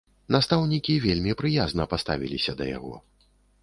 Настаўнікі вельмі прыязна паставіліся да яго.